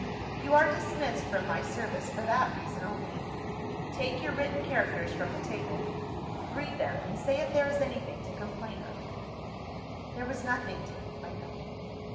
"You are dismissed from my service, for that reason only. Take your written characters from the table; read them, and say if there is anything to complain of." There was nothing to complain of.